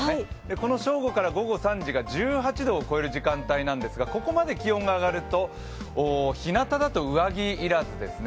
この正午から午後３時が１８度を超える時間帯なんですがここまで気温が上がるとひなただと上着要らずですね。